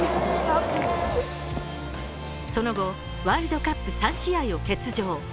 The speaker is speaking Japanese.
その後、ワールドカップ３試合を欠場。